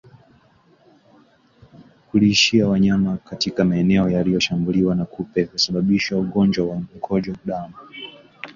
Kulishia wanyama katika maeneo yaliyoshambuliwa na kupe husababisha ugonjwa wa mkojo damu